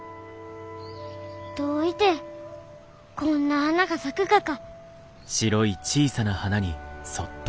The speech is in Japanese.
どういてこんな花が咲くがか。